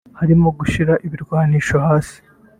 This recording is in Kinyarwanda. harimo gushyira ibirwanisho hasi